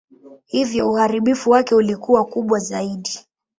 Hivyo uharibifu wake ulikuwa kubwa zaidi.